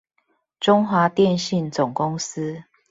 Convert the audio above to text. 中華電信總公司